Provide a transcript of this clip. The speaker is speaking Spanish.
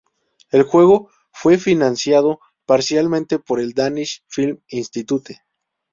El juego fue financiado parcialmente por el Danish Film Institute.